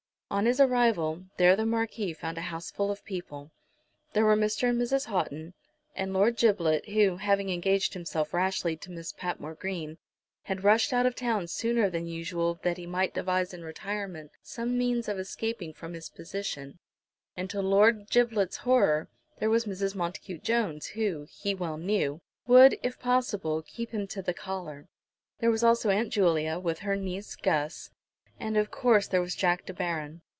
On his arrival there the Marquis found a houseful of people. There were Mr. and Mrs. Houghton, and Lord Giblet, who, having engaged himself rashly to Miss Patmore Green, had rushed out of town sooner than usual that he might devise in retirement some means of escaping from his position; and, to Lord Giblet's horror, there was Mrs. Montacute Jones, who, he well knew, would, if possible, keep him to the collar. There was also Aunt Julia, with her niece Guss, and of course, there was Jack De Baron.